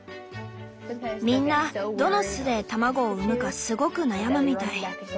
みんなどの巣で卵を産むかすごく悩むみたい。